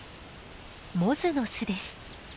モズの巣です。